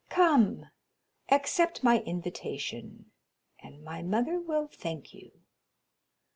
Come, accept my invitation, and my mother will thank you."